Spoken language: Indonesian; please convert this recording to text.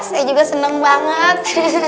saya juga seneng banget